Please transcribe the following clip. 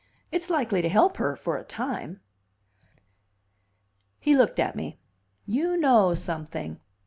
It's likely to help her for a time." He looked at me. "You know something."